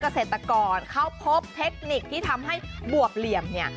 เกษตรกรเขาพบเทคนิคที่ทำให้บวบเหลี่ยมเนี่ย